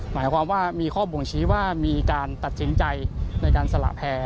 หมายความว่ามีข้อบ่งชี้ว่ามีการตัดสินใจในการสละแพร่